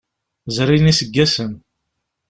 Zrin iseggasen.